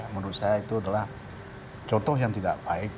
menurut saya itu adalah contoh yang tidak baik